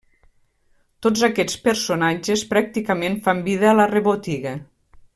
Tots aquests personatges pràcticament fan vida a la rebotiga.